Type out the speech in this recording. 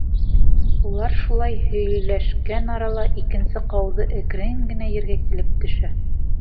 Улар шулай һөйләшкән арала, икенсе ҡауҙы әкрен генә ергә килеп төшә.